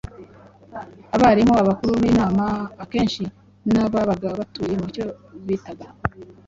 abarimu, abakuru b'inama, akenshi n'ababaga batuye mu cyo bitaga